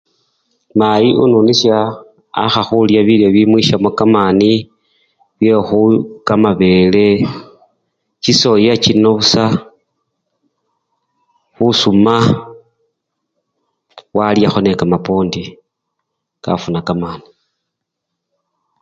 Mayi onunisya akha khulya bilyo bimwisyamo kamani byekhu, kamabele, chisoya chino busa, busuma, walyakho nekamapwondi kafuna kamani.